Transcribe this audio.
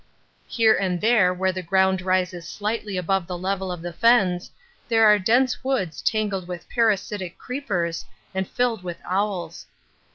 Here and there where the ground rises slightly above the level of the fens there are dense woods tangled with parasitic creepers and filled with owls.